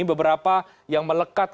ini beberapa yang melekat